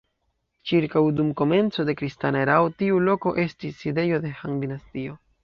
Ĉirkaŭ dum komenco de kristana erao tiu loko estis sidejo de Han-dinastio.